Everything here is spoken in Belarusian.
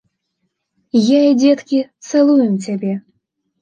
Я і дзеткі цалуем цябе.